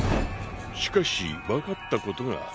しかし分かったことがある。